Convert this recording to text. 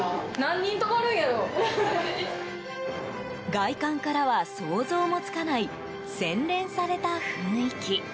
外観からは想像もつかない洗練された雰囲気。